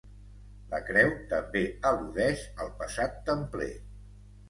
La creu també al·ludeix al passat templer.